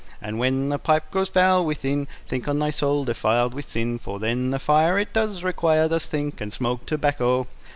And when the pipe grows foul within, Think on thy soul defiled with sin; For then the fire It does require: Thus think, and smoke tobacco.